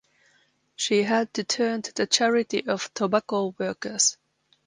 She had to turn to the charity of tobacco workers.